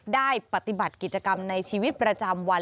ได้ปฏิบัติกิจกรรมในชีวิตประจำวัน